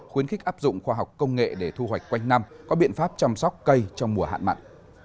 khuyến khích áp dụng khoa học công nghệ để thu hoạch quanh năm có biện pháp chăm sóc cây trong mùa hạn mặn